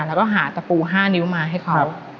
แล้วก็หาตะปู๕นิ้วมาให้เขา